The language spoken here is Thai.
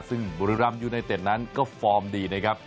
ซึ่งบุรีรัมยูไนเต็ดนั้นก็ฟอร์มดีนะครับ